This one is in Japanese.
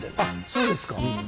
そうですか。